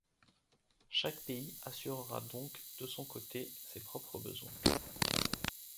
Chaque pays assurera donc de son côté ses propres besoins.